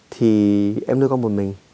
thì em nuôi con một mình